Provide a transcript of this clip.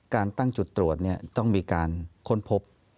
การตั้งจุดตรวจต้องมีการค้นพบ